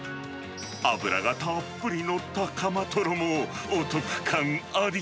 脂がたっぷり乗ったカマトロも、お得感あり。